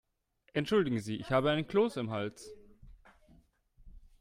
Entschuldigen Sie, ich habe einen Kloß im Hals.